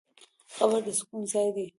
قبر د سکوت ځای دی.